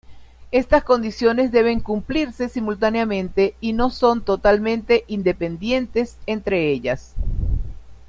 Estas condiciones deben cumplirse simultáneamente y no son totalmente independientes entre ellas.